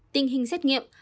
tình hình xét nghiệm